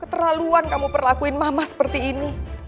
keterlaluan kamu perlakuin mama seperti ini